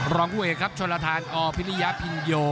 รองผู้เอกครับชนลพัฒน์ออร์พิริยาพินโย